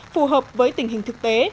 phù hợp với tình hình thực tế